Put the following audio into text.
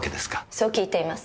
そう聞いています。